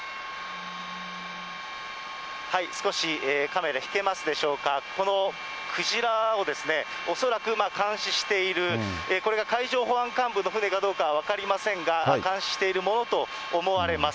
少しカメラ引けますでしょうか、このクジラを、恐らく監視している、これが海上保安監部の船かどうかは分かりませんが、監視しているものと思われます。